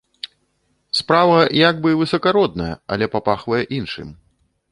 Справа як бы і высакародная, але папахвае іншым.